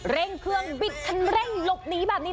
เร่งเครื่องบิดคันเร่งหลบหนีแบบนี้